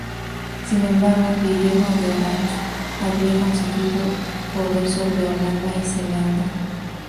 Sin embargo, Guillermo de Orange había conseguido poder sobre Holanda y Zelanda.